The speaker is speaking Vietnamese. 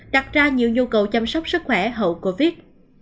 đặt ra nhiều nhu cầu chăm sóc sức khỏe hậu covid